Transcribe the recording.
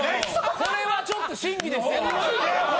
これはちょっと審議ですわ。